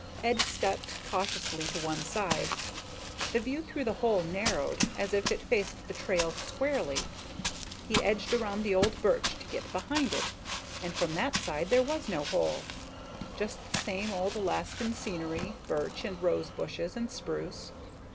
Ed stepped cautiously to one side. The view through the hole narrowed, as if it faced the trail squarely. He edged around the old birch to get behind it, and from that side there was no hole, just the same old Alaskan scenery, birch and rose bushes and spruce.